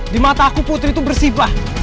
di mata aku putri tuh bersih pak